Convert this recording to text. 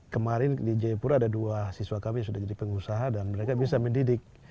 kemarin di jayapura ada dua siswa kami sudah jadi pengusaha dan mereka bisa mendidik